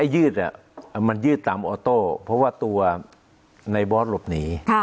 ยืดมันยืดตามออโต้เพราะว่าตัวในบอสหลบหนี